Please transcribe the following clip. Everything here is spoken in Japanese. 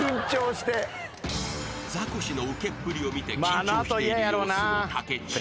［ザコシのウケっぷりを見て緊張している様子の武智］